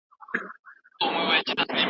ډاکټر اوږده پاڼه ړنګوله.